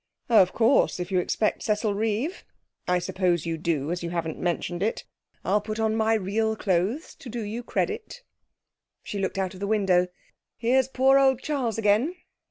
'Oh, of course, if you expect Cecil Reeve! I suppose you do, as you haven't mentioned it I'll put on my real clothes to do you credit.' She looked out of the window. 'Here's poor old Charles again.